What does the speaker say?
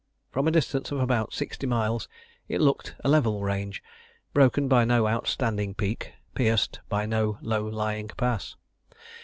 From a distance of about sixty miles it looked a level range, broken by no outstanding peak, pierced by no low lying pass.